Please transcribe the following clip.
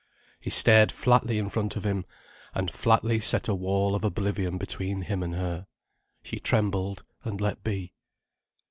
He stared flatly in front of him, and flatly set a wall of oblivion between him and her. She trembled and let be.